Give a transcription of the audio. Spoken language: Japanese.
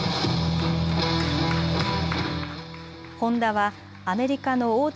ホンダはアメリカの大手